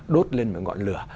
đốt lên một ngọn lửa